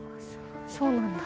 そうなんだ。